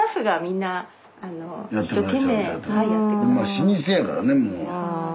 老舗やからねもう。